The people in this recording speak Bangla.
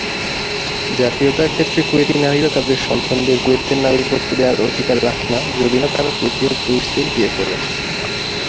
জাতীয়তার ক্ষেত্রে, কুয়েতি নারীরা তাদের সন্তানদের কুয়েতের নাগরিকত্ব দেওয়ার অধিকার রাখে না যদি না তারা কুয়েতীয় পুরুষদের বিয়ে করে।